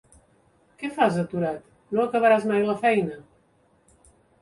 Què fas aturat, no acabaràs mai la feina!